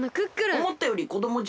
おもったよりこどもじゃのう。